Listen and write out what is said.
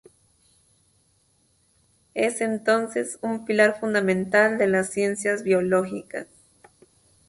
Es entonces, un pilar fundamental de las ciencias biológicas.